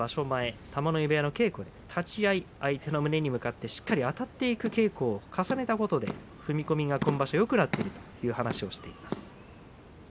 前、玉ノ井部屋の稽古に立ち合い、相手の胸に向かってしっかりあたっていく稽古を重ねたことで、今場所踏み込みがよくなっているという話をしています。